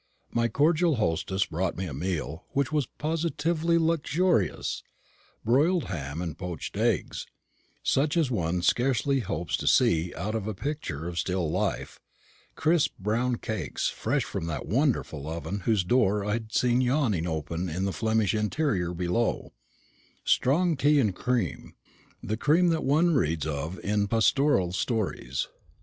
My cordial hostess brought me a meal which was positively luxurious; broiled ham and poached eggs, such as one scarcely hopes to see out of a picture of still life; crisp brown cakes fresh from that wonderful oven whose door I had seen yawning open in the Flemish interior below; strong tea and cream the cream that one reads of in pastoral stories.